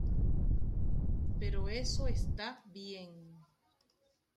Pero eso esta bien.